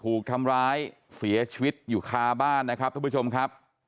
ถูกทำร้ายเสียชีวิตอยู่คาบ้านนะครับทุกผู้ชมครับ